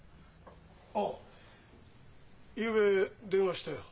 ああゆうべ電話したよ。